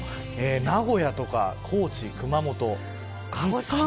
名古屋とか高知、熊本